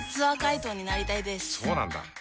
そうなんだ。